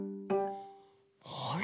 あれ？